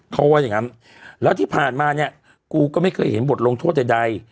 เขาว่าอย่างงั้นแล้วที่ผ่านมาเนี่ยกูก็ไม่เคยเห็นบทลงโทษใด